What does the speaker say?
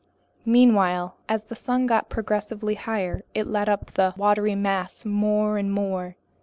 Meanwhile, as the sun got progressively higher, it lit up the watery mass more and more.